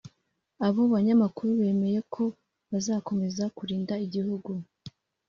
Abo banyamakuru bemeye ko bazakomeza kurinda igihugu